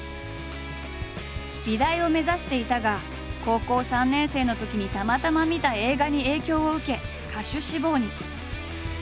美大を目指していたが高校３年生のときにたまたま見た映画に影響を受け歌手志望に。